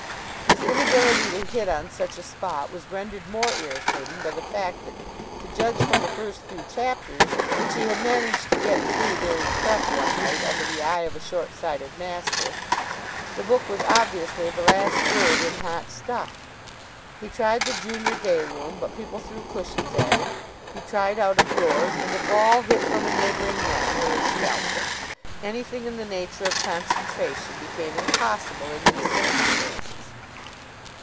His inability to hit on such a spot was rendered more irritating by the fact that, to judge from the first few chapters (which he had managed to get through during prep. one night under the eye of a short sighted master), the book was obviously the last word in hot stuff. He tried the junior day room, but people threw cushions at him. He tried out of doors, and a ball hit from a neighbouring net nearly scalped him. Anything in the nature of concentration became impossible in these circumstances.